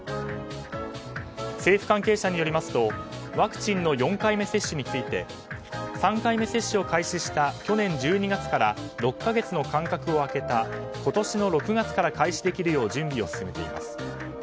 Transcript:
政府関係者によりますとワクチンの４回目接種について３回目接種を開始した去年１２月から６か月の間隔を空けた今年の６月から開始できるよう準備を進めています。